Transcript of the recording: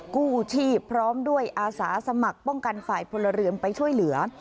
กู้ชีพพร้อมด้วยอาสาสมัครป้องกันฝ่ายพลเรือนไปช่วยเหลือ